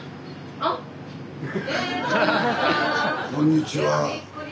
こんにちは。